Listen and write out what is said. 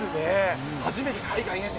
初めて海外出て。